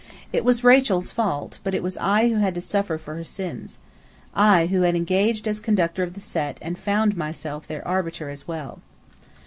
It was Rachel's fault, but it was I who had to suffer for her sins. I, who had engaged as Conductor of the Set and found myself their Arbiter as well.